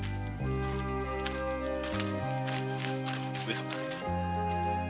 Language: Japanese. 上様。